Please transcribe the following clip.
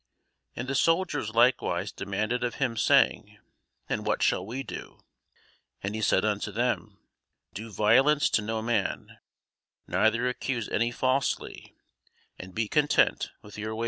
And the soldiers likewise demanded of him, saying, And what shall we do? And he said unto them, Do violence to no man, neither accuse any falsely; and be content with your wages.